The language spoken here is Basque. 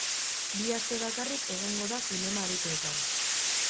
Bi aste bakarrik egongo da zinema-aretoetan.